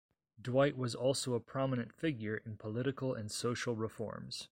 Dwight was also a prominent figure in political and social reforms.